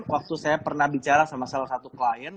waktu saya pernah bicara sama salah satu klien